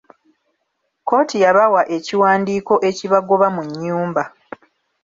Kkooti yabawa ekiwaandiiko ekibagoba mu nnyumba.